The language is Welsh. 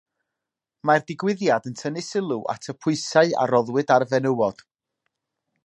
Mae'r digwyddiad yn tynnu sylw at y pwysau a roddwyd ar fenywod.